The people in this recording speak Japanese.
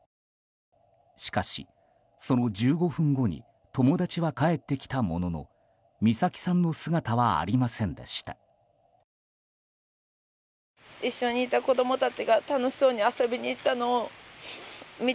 しかし、その１５分後に友達は帰ってきたものの美咲さんの姿はありませんでした。